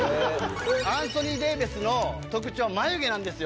アンソニー・デイビスの特徴は眉毛なんですよ。